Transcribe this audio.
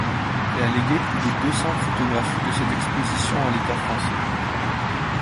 Elle a légué plus de deux cents photographies de cette exposition à l'État français.